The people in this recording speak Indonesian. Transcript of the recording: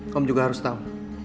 kamu juga harus tahu